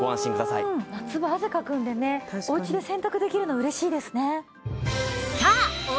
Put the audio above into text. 夏場汗かくんでねお家で洗濯できるの嬉しいですね。